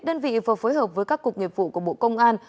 đơn vị vừa phối hợp với các cục nghiệp vụ của bộ công an